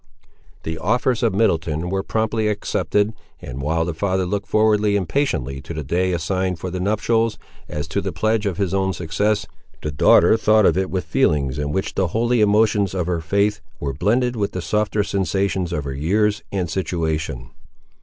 The offers of Middleton were promptly accepted, and, while the father looked forward impatiently to the day assigned for the nuptials, as to the pledge of his own success, the daughter thought of it with feelings in which the holy emotions of her faith were blended with the softer sensations of her years and situation.